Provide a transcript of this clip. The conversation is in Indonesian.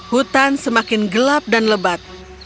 hutan semakin gelap dan lebat